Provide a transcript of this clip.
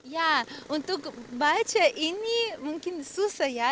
ya untuk baca ini mungkin susah ya